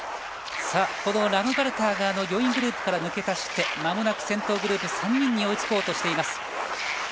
ラムパルターが４位グループから抜け出してまもなく先頭グループ３人に追いつこうとしています。